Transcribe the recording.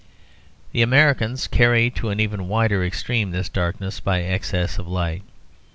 The Americans carry to an even wilder extreme this darkness by excess of light.